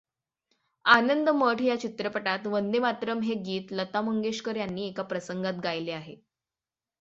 आनंदमठ या चित्रपटात वंदे मातरम् हे गीत लता मंगेशकर यांनी एका प्रसंगात गायिले आहे.